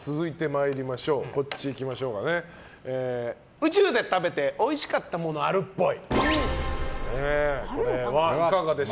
宇宙で食べておいしかったものあるっぽい。